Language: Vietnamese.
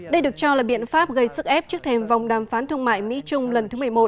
đây được cho là biện pháp gây sức ép trước thềm vòng đàm phán thương mại mỹ trung lần thứ một mươi một